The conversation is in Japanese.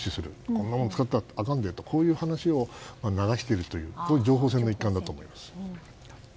こんなものを使ってはあかんでという話を流している情報戦の一環だと思います。